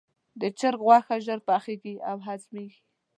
د چرګ غوښه ژر پخیږي او هضمېږي.